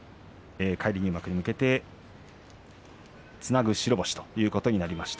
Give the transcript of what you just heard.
返り入幕に向けてつなぐ白星となりました。